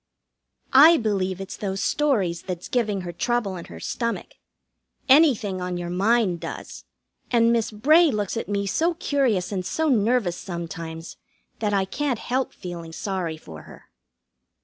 I believe it's those stories that's giving her trouble in her stomach. Anything on your mind does, and Miss Bray looks at me so curious and so nervous, sometimes, that I can't help feeling sorry for her.